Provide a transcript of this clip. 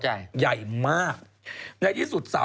ปลาหมึกแท้เต่าทองอร่อยทั้งชนิดเส้นบดเต็มตัว